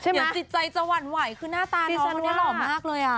อย่าจิตใจจะหวั่นไหวคือหน้าตาน้องคนนี้หล่อมากเลยอะ